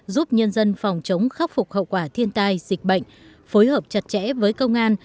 giúp nhân dân phòng chống khắc phục hậu quả thiên tai dịch bệnh phối hợp chặt chẽ với công an